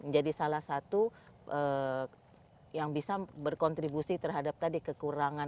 jadi salah satu yang bisa berkontribusi terhadap tadi kekurangan